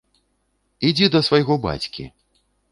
Ідзі да свайго бацькі!